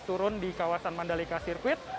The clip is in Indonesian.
turun di kawasan mandalika circuit